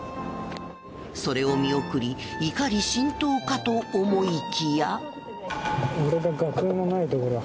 それを見送り怒り心頭かと思いきや。